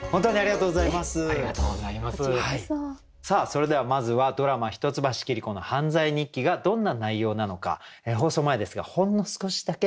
それではまずはドラマ「一橋桐子の犯罪日記」がどんな内容なのか放送前ですがほんの少しだけ見せて頂けるそうです。